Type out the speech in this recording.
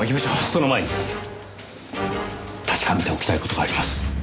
その前に確かめておきたい事があります。